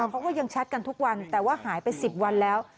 เขาก็ยังแชทกันทุกวันแต่ว่าหายไป๑๐วันแล้ว